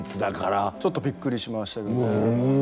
ちょっとびっくりしましたけどね。